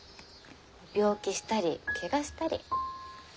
病気したりけがしたり。